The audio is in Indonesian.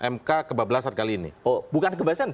mk kebablasan kali ini oh bukan kebablasan